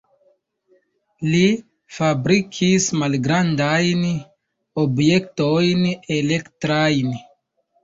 Li fabrikis malgrandajn objektojn elektrajn.